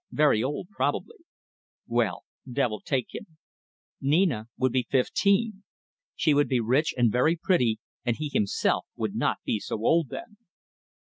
Very old probably. Well, devil take him. Nina would be fifteen. She would be rich and very pretty and he himself would not be so old then.